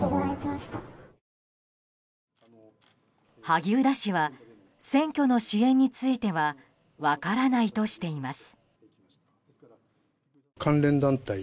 萩生田氏は選挙の支援については分からないとしています。